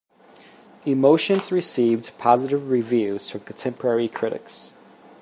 "Emotions" received positive reviews from contemporary critics.